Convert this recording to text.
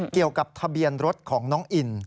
เกี่ยวกับทะเบียนรถของน้องอิ้น